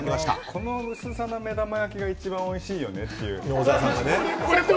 この薄さの目玉焼きが一番おいしいよねっていう。